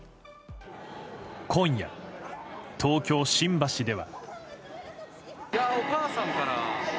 今夜、東京・新橋では。